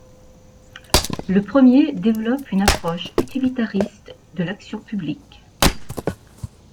Le premier développe une approche utilitariste de l'action publique.